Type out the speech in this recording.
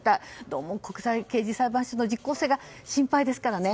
どうも国際刑事裁判所の実効性が心配ですからね。